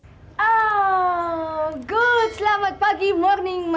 biaya dari mana sih cuy pak